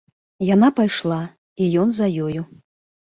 Яна пайшла, і ён за ёю.